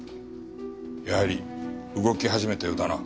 やはり動き始めたようだな。